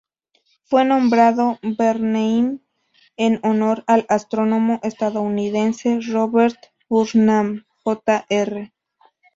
Fue nombrado Bernheim en honor al astrónomo estadounidense Robert Burnham, Jr.